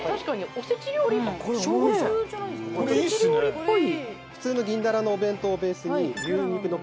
おせち料理っぽい。